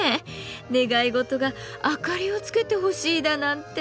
願い事があかりをつけてほしいだなんて。